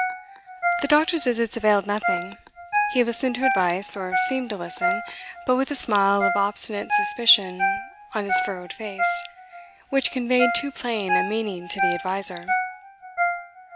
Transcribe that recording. The doctor's visits availed nothing; he listened to advice, or seemed to listen, but with a smile of obstinate suspicion on his furrowed face which conveyed too plain a meaning to the adviser.